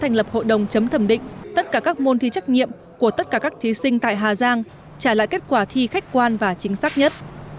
thành lập hội đồng chấm thẩm định tất cả các môn thi trách nhiệm của tất cả các thí sinh tại hà giang trả lại kết quả thi khách quan và chính xác nhất